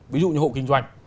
ví dụ như hộ kinh doanh